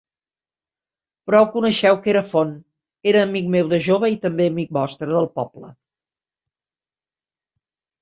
Prou coneixeu Querefont: era amic meu de jove i també amic vostre, del poble;